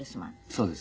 そうです。